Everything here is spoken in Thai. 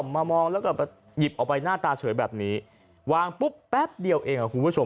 มามองแล้วก็หยิบออกไปหน้าตาเฉยแบบนี้วางปุ๊บแป๊บเดียวเองครับคุณผู้ชม